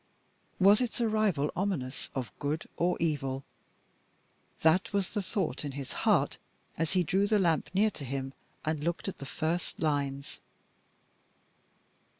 Was its arrival ominous of good or evil? That was the thought in his heart as he drew the lamp near to him, and looked at the first lines.